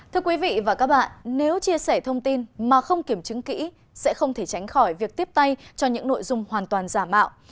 thưa quý vị và các bạn nếu chia sẻ thông tin mà không kiểm chứng kỹ sẽ không thể tránh khỏi việc tiếp tay cho những nội dung hoàn toàn giả mạo